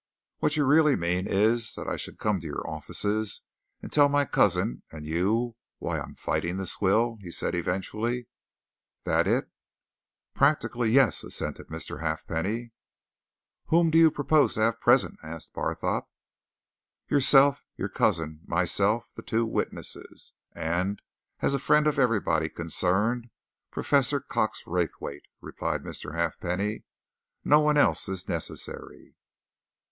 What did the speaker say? "What you really mean is that I should come to your offices and tell my cousin and you why I am fighting this will," he said eventually. "That it?" "Practically yes," assented Mr. Halfpenny. "Whom do you propose to have present?" asked Barthorpe. "Yourself, your cousin, myself, the two witnesses, and, as a friend of everybody concerned, Professor Cox Raythwaite," replied Mr. Halfpenny. "No one else is necessary."